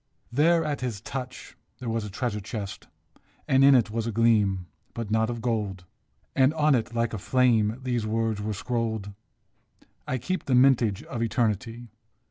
There at his touch there was a treasure chest. And in it was a gleam, but not of gold ; And on it, like a flame, these words were scrolled :" I keep the mintage of Eternity.